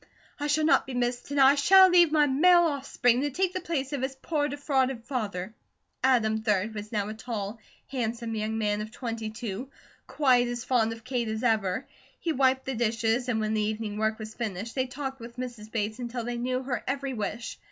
I shall not be missed, and I shall leave my male offspring to take the place of his poor, defrauded father." Adam, 3d, was now a tall, handsome young man of twenty two, quite as fond of Kate as ever. He wiped the dishes, and when the evening work was finished, they talked with Mrs. Bates until they knew her every wish.